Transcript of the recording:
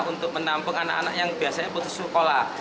untuk menampung anak anak yang biasanya putus sekolah